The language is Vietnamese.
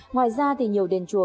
ngoài ra thì nhiều đền chùa